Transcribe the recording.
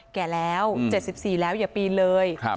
แก่แล้ว๗๔แล้วอย่าปีนเลย